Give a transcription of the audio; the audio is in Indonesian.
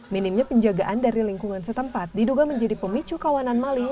minimnya penjagaan dari lingkungan setempat diduga menjadi pem obstruct lilini